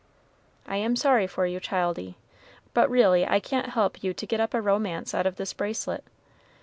I am sorry for you, childie, but really I can't help you to get up a romance out of this bracelet.